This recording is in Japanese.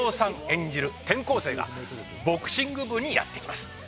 演じる転校生がボクシング部にやって来ます。